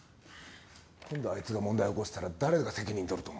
今度あいつが問題起こしたら誰が責任取ると思う？